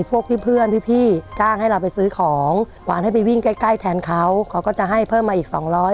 เพราะว่าหลายวันต้องใช้อีก